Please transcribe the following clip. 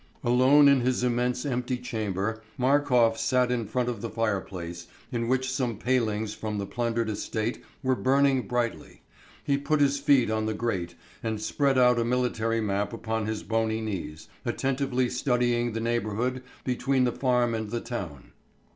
Alone in his immense empty chamber, Markof sat in front of the fireplace, in which some palings from the plundered estate were burning brightly. He put his feet on the grate and spread out a military map upon his bony knees, attentively studying the neighbourhood between the farm and the town.